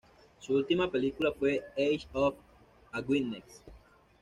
Su última película fue "Eyes of a Witness".